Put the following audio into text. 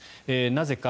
なぜか。